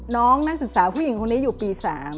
น้องนักศึกษาผู้หญิงคนนี้อยู่ปี๓